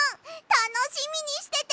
たのしみにしててね！